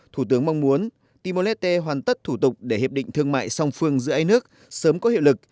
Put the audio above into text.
thủ tướng mong muốn timor leste hoàn tất thủ tục để hiệp định thương mại song phương giữa hai nước sớm có hiệu lực